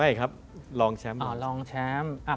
ไม่ครับลองแชมป์